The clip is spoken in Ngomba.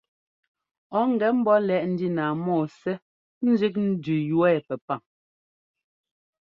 Ɔ ŋgɛ ḿbɔ́ lɛ́ꞌ ndína mɔ́ɔ Ssɛ́ ńzẅík ndẅí yu ɛ pɛpaŋ.